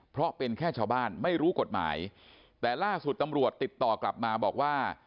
เพราะเป็นแค่ชาวบ้านไม่รู้กฎหมายแต่ล่าสุดตำรวจติดต่อกลับมาบอกว่า